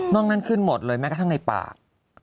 นั้นขึ้นหมดเลยแม้กระทั่งในปาก